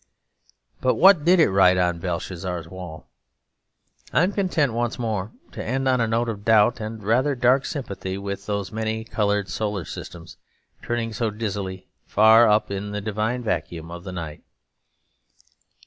But what did it write on Belshazzar's wall?... I am content once more to end on a note of doubt and a rather dark sympathy with those many coloured solar systems turning so dizzily, far up in the divine vacuum of the night.